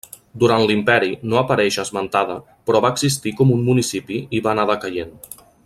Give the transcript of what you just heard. Durant l'Imperi no apareix esmentada però va existir com un municipi i va anar decaient.